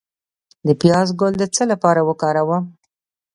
د پیاز ګل د څه لپاره وکاروم؟